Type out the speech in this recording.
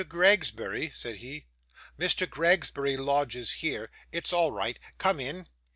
Gregsbury?' said he; 'Mr. Gregsbury lodges here. It's all right. Come in!